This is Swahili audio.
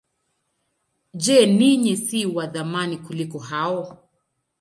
Je, ninyi si wa thamani kuliko hao?